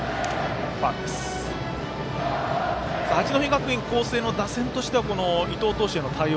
八戸学院光星の打線としては伊藤投手への対応